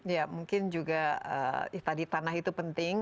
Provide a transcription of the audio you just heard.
ya mungkin juga tadi tanah itu penting